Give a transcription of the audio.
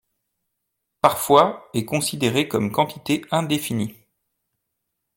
Parfois, est considéré comme quantité indéfinie.